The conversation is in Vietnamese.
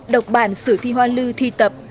độc bản sử thi hoa lư thi tập